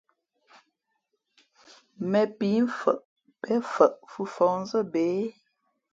Mēn píi mfαʼ pěn fαʼ fʉ́ fα̌hnzά bě?